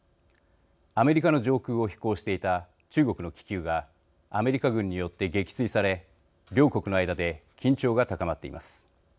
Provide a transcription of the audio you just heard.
アメリカの上空を飛行していた中国の気球がアメリカ軍によって撃墜され両国の間で緊張が高まっています。